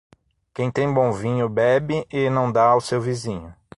Quem tem bom vinho, bebe e não dá ao seu vizinho.